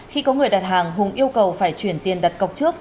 khi có người đặt hàng hùng yêu cầu phải chuyển tiền đặt cọc trước